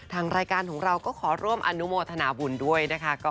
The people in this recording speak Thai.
ทางรายการของเราก็ขอร่วมอนุโมทนาบุญด้วยนะคะ